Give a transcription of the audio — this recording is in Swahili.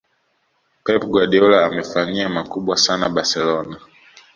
pep guardiola amefanyia makubwa sana barcelona